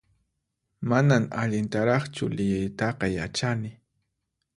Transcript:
Manan allintaraqchu liyiytaqa yachani